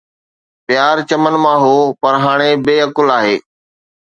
پيار چمن مان هو پر هاڻي بي عقل آهي